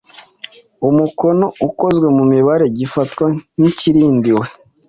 umukono ukozwe mu mibare gifatwa nk ikirindiwe